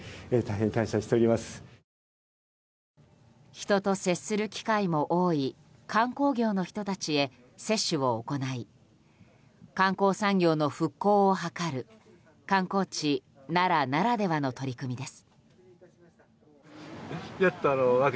人と接する機会も多い観光業の人たちへ接種を行い観光産業の復興を図る観光地・奈良ならではの取り組みです。